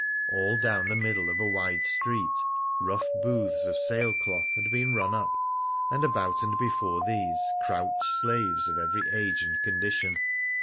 All down the middle of a wide street rough booths of sail cloth had been run up, and about and before these crouched slaves of every age and condition.